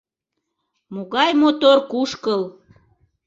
Могай мотор кушкыл!